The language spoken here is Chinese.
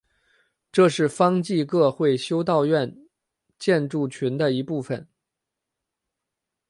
这是方济各会修道院建筑群的一部分。